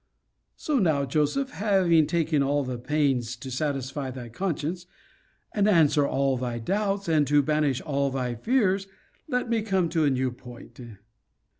So now, Joseph, having taken all this pains to satisfy thy conscience, and answer all thy doubts, and to banish all thy fears, let me come to a new point.